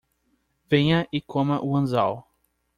Venha e coma o anzol